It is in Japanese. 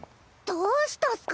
どうしたっスか？